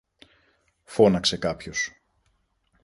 φώναξε κάποιος.